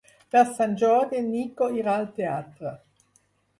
Per Sant Jordi en Nico irà al teatre.